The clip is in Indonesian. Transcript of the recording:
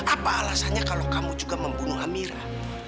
apa alasannya kalau kamu juga membunuh hamira